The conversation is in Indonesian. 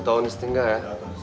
dua tahun setengah ya